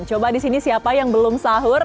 coba di sini siapa yang belum sahur